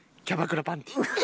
キャバクラパンティー。